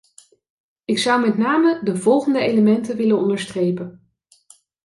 Ik zou met name de volgende elementen willen onderstrepen.